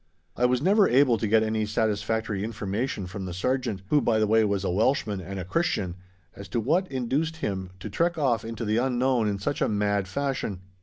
I was never able to get any satisfactory information from the sergeant (who by the way was a Welshman and a Christian) as to what induced him to trek off into the unknown in such a mad fashion.